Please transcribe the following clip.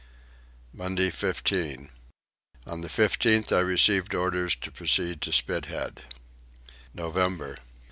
Monday 15. On the 15th I received orders to proceed to Spithead. November.